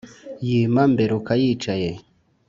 yima mberuka yicaye